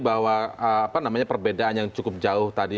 bahwa perbedaan yang cukup jauh tadi